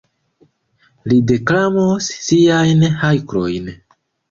Li deklamos siajn hajkojn.